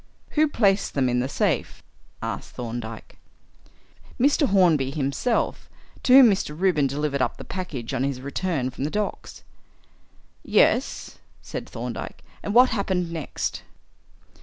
"Who placed them in the safe?" asked Thorndyke. "Mr. Hornby himself, to whom Mr. Reuben delivered up the package on his return from the docks." "Yes," said Thorndyke, "and what happened next?"